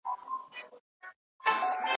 چي له چا سره به نن شپه زما جانان مجلس کوینه